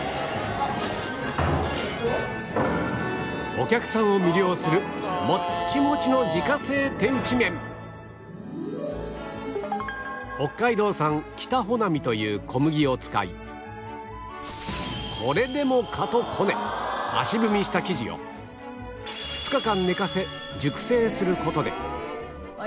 お客さんを魅了するモッチモチの北海道産きたほなみという小麦を使いこれでもかとこね足踏みした生地を２日間寝かせ熟成する事で